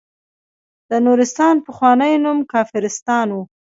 د نورستان پخوانی نوم کافرستان و.